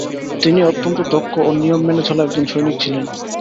তিনি অতন্ত্য দক্ষ ও নিয়ম মেনে চলা একজন সৈনিক ছিলেন।